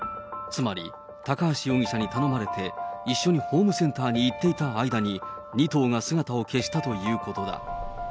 つまり、高橋容疑者に頼まれて、一緒にホームセンターに行っていた間に、２頭が姿を消したということだ。